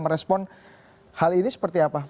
merespon hal ini seperti apa